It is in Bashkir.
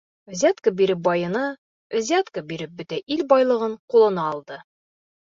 Взятка биреп байыны, взятка биреп бөтә ил байлығын ҡулына алды.